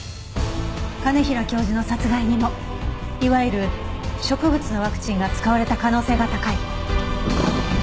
兼平教授の殺害にもいわゆる植物のワクチンが使われた可能性が高い。